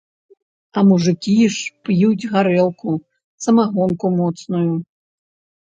А мужыкі ж п'юць гарэлку, самагонку моцную.